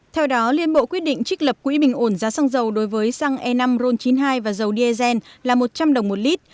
theo đó liên bộ quyết định trích lập quỹ bình ổn giá xăng dầu đối với xăng e năm ron chín mươi hai và dầu diesel là một trăm linh đồng một lít